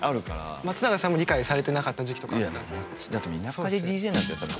松永さんも理解されてなかった時期とかあったんですか？